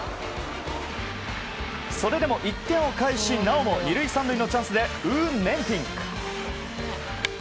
それでも１点を返しなおも２塁３塁のチャンスでウー・ネンティン。